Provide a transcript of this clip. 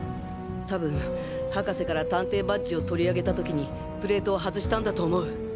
多分博士から探偵バッジを取り上げた時にプレートを外したんだと思う！